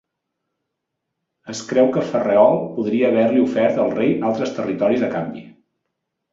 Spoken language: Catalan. Es creu que Ferreol podria haver-li ofert al rei altres territoris a canvi.